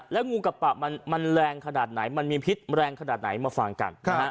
แล้วงูกับปะมันแรงขนาดไหนมันมีพิษแรงขนาดไหนมาฟังกัน